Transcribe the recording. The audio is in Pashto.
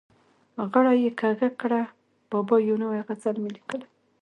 غړۍ یې کږه کړه: بابا یو نوی غزل مې لیکلی.